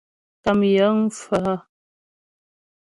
Kàm yəŋ pfə́ hə́ ?